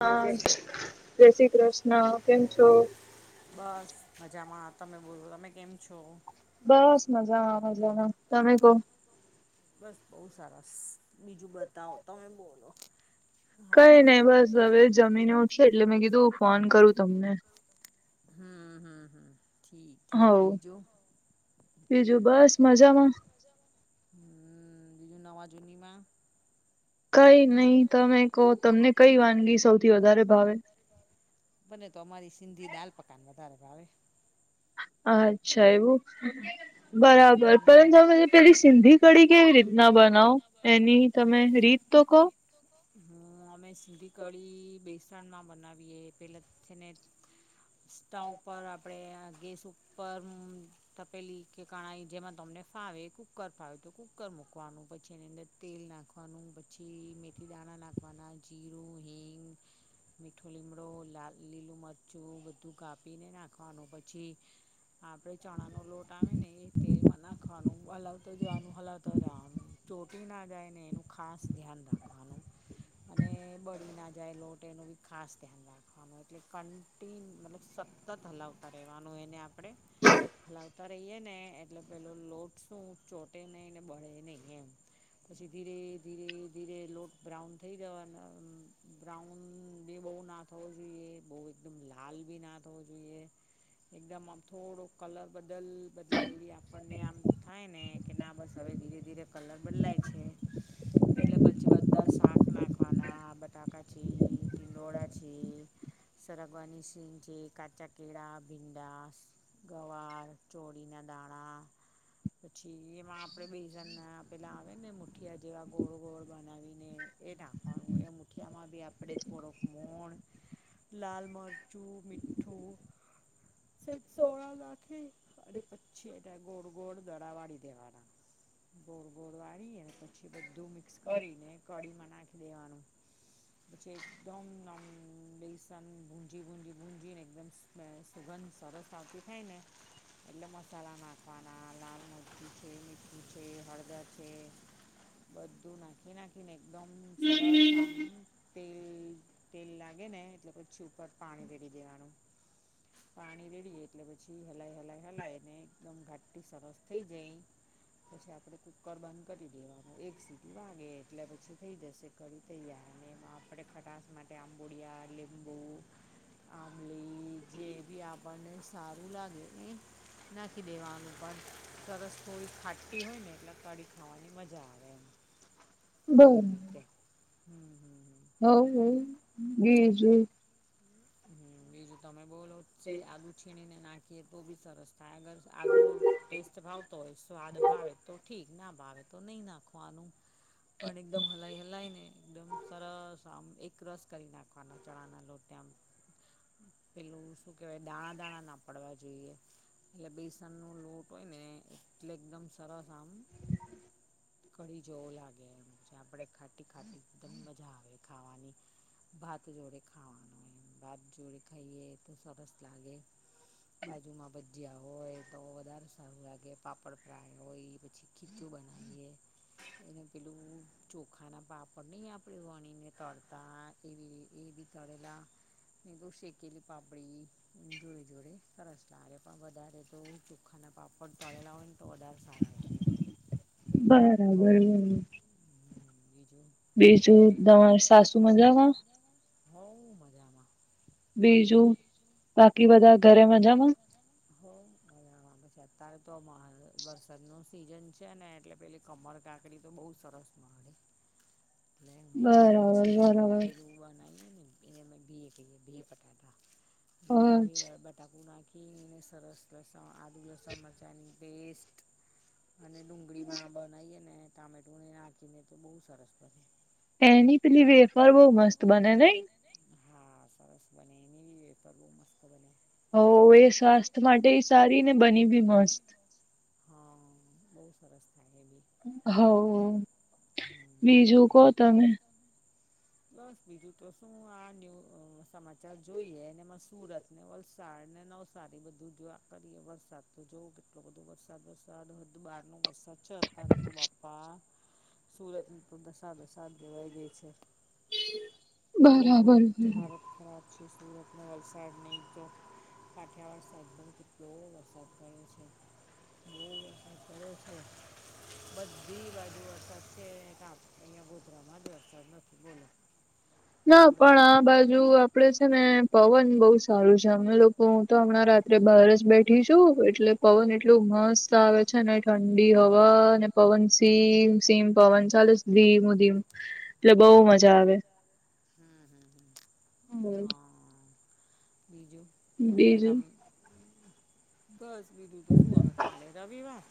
હા, જય શ્રી જય શ્રી કૃષ્ણ, કેમ છો? બસ મજામાં, તમે બોલો, તમે કેમ છો? બસ મજામાં મજામાં, તમે કો? બસ બહુ સારાસ, બીજું બતાવો, તમે બોલો. કઈ હા નહી બસ હવે જમીને ઉઠીએ એટલે મેં કીધું ફોન કરું તમને. હમ્મ, હમ્મ, હમ્મ, ઠીક, ઠીક હોવ બીજો? બીજું બસ મજામાં. હમ્મ, બીજું નવા જુનીમાં? કઈ નહી તમે કહો તમને કઈ વાનગી સૌથી વધારે ભાવે? બને તો અમારી સિંધી દાલ પકાન વધારે ભાવે. અચ્છા એવું, બરાબર હમ પરંતુ અમે પેલી સિંધી કઢી કેવી રીતના બનાવો એની તમે રીત તો કહો? હ અમે સીધી કઢી બેસણમાં બનાવીએ પેલા છે ને સ્ટવ પર આપણે ગેસ ઉપર તપેલી કે કાણાાઈ જેમાં તમને ફાવે કુકર ફાવે તો કુકર મૂકવાનું પછી એની અંદર તેલ નાખવાનું પછી મેથી દાણા નાખવાના, જીરું, હિંગ મીઠો લીમડો લા લીલું મરચું બધું કાપીને નાખવાનું પછી આપડે ચણા નો લોટ આવે ને એ તેલમાં નાખવાનું હલાવતો જવાનું. હલાવતા રેવાનું ચોંટી ના જાય ને એનું ખાસ ધ્યાન રાખવાનું. અને બળી ના જાય લોટ એનું બી ખાસ ધ્યાન રાખવાનું એટલે કન્ટિન મતલબ સ સતત હલાવતા રહેવાનું એને આપણે. આવતા રહીએ ને એટલે પેલો લોટ શું ચોટે નહીં ને બળે નહી એમ. પછી ધીરે ધીરે ધીરે લોટ બ્રાઉન થઈ જવા બ્રાઉન બે બહુ ના થવો જોઈએ બવ એકદમ લાલ ભી ના થવો જોઈએ. એકદમ આમ થોડો કલર બદલ બદલાય એવી આપણને આમ થાય ને કે ના બસ હવે ધીરે ધીરે કલર બદલાય છે એટલે બધ પછી બધા શાક નાખવાના બટાકા છે, ટિંડોડા છે સરગવાની સીન છે, કાચા કેળા, ભીંડા ગવાર, ચોળી ના દાણા પછી એમાં આપડે બેસણના પેલા આવેને મુઠિયા જેવા ગોળ ગોળ. બનાવીને એ નાાખવાનું એ મુઠિયામાં બી આપણે થોડોક મોણ લાલ મરચું, મીઠું, સોળ રાખે. અને પછી એ ગોળ ગોળ દરાવાડી દેવાના. ગોળ ગોળ વાળીને પછી બધું મિક્સ કરીને કડીીમાં નાખી દેવાનું. પછી એકદમ નોમ બેસન ભુંજી-ભુંજી-ભુંજી ને એકદમ બે સુગંધ સરસ આવતી થાય ને. એટલે મસાલા નાખવાના લાલ મરચી છે, મીઠું છે હળદર છે. બધું નાખી નાખીને એકદમ સરસ આમ તેલ તેલ લાગે ને એટલે પછી ઉપર પાણી રેડી દેવાનું. પાણી રેડીએ એટલે પછી હલાઈ હલાઈ-હલાઈ ને એકદમ ઘાટી સરસ થઈ જાય. પછી આપડણે કુકર બંધ કરી દેવાનો એક સી વાગે એટલે પછી થઈ જશે કડી તૈયાર અને એમાં આપે ખટાસ માટે આંબોડિયા, લીંબ લીંબુ, આમલી જે બી આપણને સારું લાગે એ નાખી દેવાનું પણ સરસ થોડી ખાટી હોય ને એટલે કઢી ખાવાની મજા આવે એમ. એવી રીતે હમ્મ-હમ્મ. હઉ બીજુ. હમ્મ બીજું તમે બોલો છેજ આદુ છીણીને નાખીએ તો બી સરસ આગર આદુનો ટેસ્ટ ભાવતો હોય સ્વાદ ભાવે તો ઠીક. ના ભાવે તો નહી નાખવાનું. પણ એકદમ હલાઈ હલાઇ ને એકદમ સરસ આમ એક ક્રસ કરી નાખવાના ચણાના લોટને આમ. પેલું શું કેહેવાય દાણા-દાણા ના પડવા જોઈએ. એટલે બેસન નું લોટ હોય ને એટલે એકદમ સરસ આમ કડી જવો લાગે આમ આપણે ખાટી-ખાટી એકદમ મજા આવે ખાવાની. ભાત જોડે ખવાનું એને. ભાત જોડે ખાઈએ તો સરસ લાગે બાજુમાં ભ ભજીયા હોય તો વધારે સારું લાગે પાપડ ફ્રાય હોય પછી ખીચું બનાઇએ. એને પેલું ચોખાના પાપડ નહી આપણેે વણીને તળતા. એવી એ બી તળેલા. નીબું શેકેલી પાપડી. જોડે-જોડે સરસ લાગે પણ વધારે તો ચોખાના પાપડ પળેલા હોય ને. તો વધારે સારા લાગે. બરાબર. હમ્મ બીજું. બીજું તમારે સાસુ મજામાં. હોવ મજામાં. બીજું બાકી બધા ઘરે મજામાં. હો એ હાં પછી અત્યારે તો માહલ વરસાદનો સિઝન છે ને એટલે પેલી. કમર કાંકડી તો બહુ સરસ મળે. એટલે મેં બરાબર પછી બરાબર પેલું બનાવીએ ને. એને અમે બીહ કહેએ બીહ પટાટા એલેમાં બી બ અ બટાકુ નાખીને સરસ લસણ આદુ લસણ મરચાની પેસ્ટ. અને ડુંગળીમાં બનાવીએ ને ટામેટુંને નાખીને તો બહુ સરસ પડે એની પેલી વેફર બોહ મસ્ત બને નઈ. હા સરસ બને એની વેફર બો મસ્ત બને. હો એ સ્વાસ્થ્ય માટેય સારી ને બની બી મસ્ત. હા બઉુ સરસ લાગેલી. હાવ બીજું કો તમે. બસ બીજું તો શું આ ન્યુ અ સમાચાર જોઈએ એનેમાં સુરત ને વલસાડ, ને નવસારી બધું જોયા કરીએ વરસાદ તો જોવો કેટલો બધો વરસાદ વરસે [unintelligible] નું વરસાદ છે અતારે તો બાપા. સુરતની તો દશા-દશા દેવાઈ ગઈ છે. બહું બરાબર જ હાલત ખરાબ છે સુરત ને વલસાડની તો. કાઠિયાવાળ [unintelligible] કેટલો વરસાદ પડ્યો છે. બોવ વરસાદ પડ્યો છે. બધી બાજુ વરસાદ છે. [unintelligible] અહિયાં ગોધરામાં જ વરસાદ નથી બોલો. ના પણ બરોડામાં આ બાજુ આપ પણે છે ને પવન બઉ સારું છે. અમે લોકો હું તો હમણાં રાત્રે બહાર જ બેઠી છું. એટલે પવન એટલુ મસ્ત આવે છે ને, ઠંડી હવા, ને પવન સીમ સીમ પવન ચાલે છ ધીમું-ધીમું, એટલે બઉ મજા આવે. હમ્મ-હમ્મ-હમ્મ. હા, હા હા. બીજું? તો હવે બીજું તમ બસ બીજું તો શું હવે કાલે રવિવાર.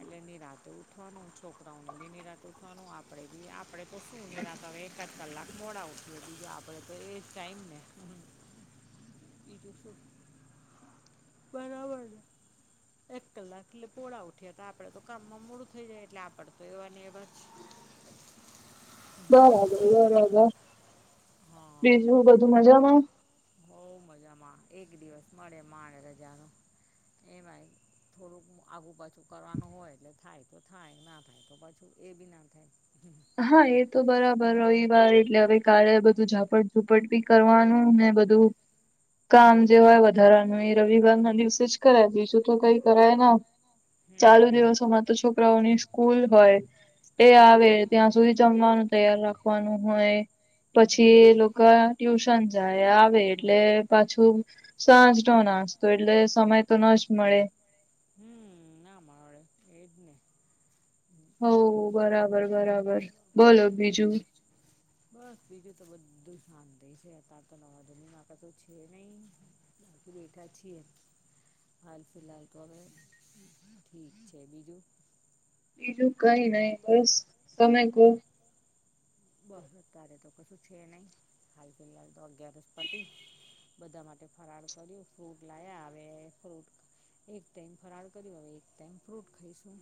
એટલે નિરાતે ઉઠવાનું. છોકરાઓને બી નિરાતે ઉઠવાનું, આપડે બી આપ પણે તો શું નીરાત હવે એકાદ કલાક મોડા ઉઠીએ, બીજું આપડે તો એજ ટાઈમ ને. બીજુ શું. બરાબર છે. એક કલાક એટલે પોળા ઉઠીએ તો આપડે તો કામમાં મોડું થઈ જાય એટલે આપડે તો એવાને એવા જ. બરાબર-બરાબર. હા. બીજું બધું મજામાં? હોઉ મજામાં. એક દિવસ મળે માંડ રજા, એમાંય થોડુંક આઘું પાછું કરવાનું હોય એટલે થાય તો થાય, ના થાય તો પાછું એ બી ના થાય. [inaudible] હા એ તો બરાબર. રવિવાર એટલે હવે કાલે બધું ઝાપટ ભુપટ બી કરવાનું ને બધું [inaudible] કામ જે હોય વધારાનું એ રવિવાર ના દિવસે જ કરાય બીજું તો કંઈ કરાય ના. ચાલુ હમ દિવસોમાં તો છોક કરાઓની સ્કૂલ હોય, એ હમ આવે ત્યાં સુધી જમવાનું તૈયાર રાખવાનું હોય પછી એ હમ લોકા ટ્યુશન જાય, આવે એટલે પાછું સાંજનો નાસ્તો એટલે સમય તો ન જ મળે. હમ્મ ના મળે, એજ ને. હોવ બરાબર-બરાબર. બોલો બીજું. બસ બીજું તો બધું શાંતિ છે. અતારે તો નવા જૂનીમાં કશું છે નહીં. બેઠા છીએ. હાલ ફિલહાલ તો હવે ઠીક છે બીજું. બીજું કંઈ નહીં. બસ તમે કહો. બહ અતારે તો કશું છે નહીં. હાલ ફિલહાલ તો અગિયારસ પતી. બધા માટે ફરાળ કર્યું, ફ્રૂટ લાયા. હવે ફ્રૂટ એક ટાઈમ ફરાળ કર્યું, હવે એક ટાઈમ ફ્રૂટ ખાઈશું.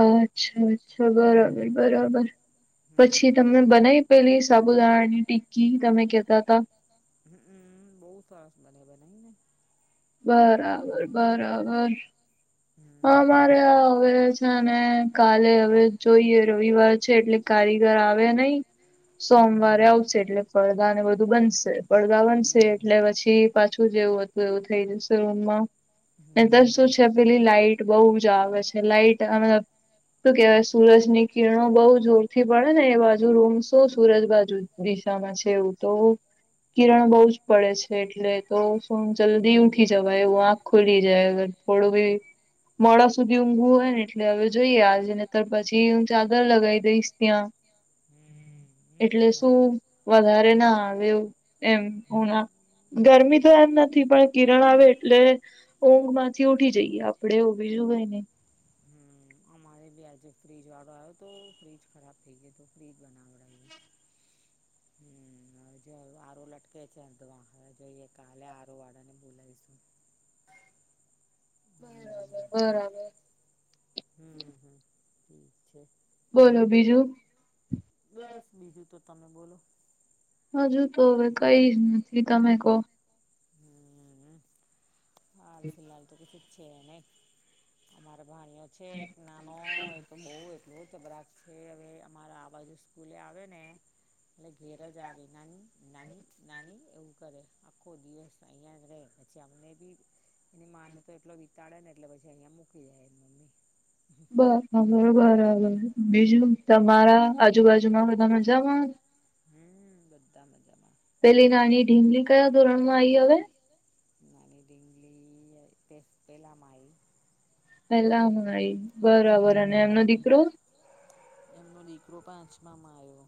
અચ્છા-અચ્છા. હમ બરાબર-બરાબર. પછી તમને બનાઈ પેલી સ સાબુદાણાની ટિકકી તમે કેતા તા. અમ્મ-હમ્મ. બઉ સરસ બને બનાઈ ને. બરાબર-બરાબર, હા. હમ મારે હવે છે ને કાલે હવે જોઈએ રવિવાર છે એટલે કારીગર આવે નહીં સોમવારે આવશે એટલે પડદા ને બધું બનશે પડદા બપોરે બનશે એટલે પછી પાછું જેવું હતું એવું થઈ જશે રૂમમાં ત શું છે પેલી લાઈટ બહુ જ આવે છે લાઈટ અને તો કેવાય સૂરજ ની કિરણો બહુ જોરથી પડે ને એ રોમ શો સુરત બાજુ દિશામાં છે એવું તો હમ. કિરણ હમ. બહુ જ પડે છે. એટલે તો શું જલ્દી ઉઠી જવાય એવું આંખ ખુલી જાય થોડું બી મોડા સુધી ઊંઘું હોય ને એટલે હવે જોઈએ આજે ને તો પછી હું ચાદર લગાવી દઈશ ત્યાં એટલે શું બરાબર વધારે ના આવે ઊંઘ એમ હ ગરમી તો એમ નથી પણ કિરણ આવે એટલે ઊંઘ માંથી ઉઠી જઈએ આપડે એવું બીજું કઈ નહી હમ અમારે ભી આજે ફ્રીજ વાળો આવ્યો તો ફ્રીજ ખરાબ થઈ ગયો તો ફ્રીજ બનાવડાવ્યું [inaudible] હમ હવે જો આરું લટકે છે અડધો વાખ જોઈએ કાલે આરોું વાળા ને બોલાવીશું બરાબર હમ હમ હમ ઠીક છે. બીજું બસ બીજું તો તમે બોલો હજુ તો હવે કઈ નથી તમે કો હમ [unintelligible] અમારે ભાણીઓ છે એક નાનો એ તો બઉ એટલું [unintelligible] છે હવે અમારા આ બાજુ સ્કૂલે આવે ને એટલે ઘેર જ આવે નાની નાની નાની એવું કરે આખો દિવસ અહીંયા જ રે છે આપણે બી એની માને તો એટલો વિતાડે ને એટલે પછી અહિયાયા મૂકી જાય એ મમ્મી બરોબર બીજું તમારા આજુબાજુમાં બધાં મજામાં હમ બધા મજામાં પેલી નાની ઢીંગલી કયા ધોરણ માં આઈ હવે નાની ડિંગગલી પહેલામાં આવી પેલામાંય બરાબર અને એમનો હમ દીકરો એમનો દીકરો પાંચમામાં આવ્યો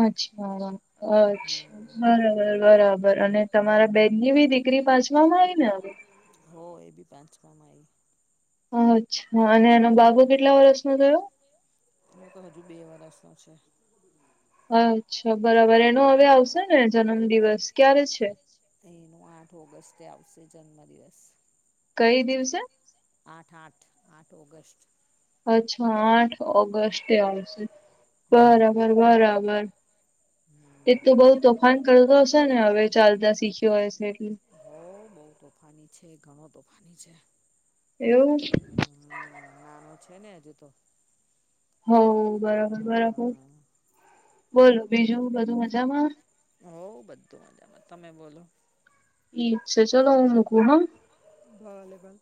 અચ્છા અચ્છા બરાબર હમ બરાબર અને તમારા બેનની બી દીકરી પાછવામાં આવી ને હવે હો એ બી પાંચમામાં આવી અચ્છા અને એનો બાબુ કેટલા વર્ષ નો થયો એ તો હજુ બે વર્ષ નો છે. અચ્છા બરાબર એનો હવે આવશે ને જન્મ દિવસ ક્યારે છે. એનો આઠ ઓગસ્ટે આવશે જન્મદિવસ કઈ દિવસે આઠ આઠ આઠ ઓગસ્ટ અચ્છા આઠ ઓગસ્ટે આવશે હા બરાબર બરાબર એ તો બઉ તોફાન કરતો હશે ને હવે ચાલતા શીખ્યો હોય છે એટલે હો બઉ તોફાની છે ઘણો તોફાની છે. એવું હ હમ નાનો છે ને હજુ તો હો બરોબર બરાબર હમ બોલો બીજું બધું મજામાં હો બધું મજામાં તમે બોલો ઈ ચાલો [inaudible] ાલો હું મકું હ ભલે ભલ.